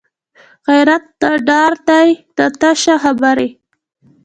غیرت نه ډار دی نه تشه خبرې